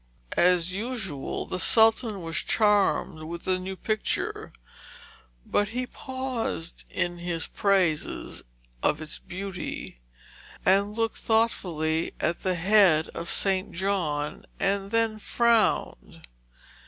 As usual, the Sultan was charmed with the new picture; but he paused in his praises of its beauty, and looked thoughtfully at the head of St. John, and then frowned.